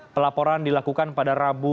pelaporan dilakukan pada rabu